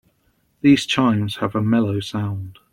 These chimes have a mellow sound.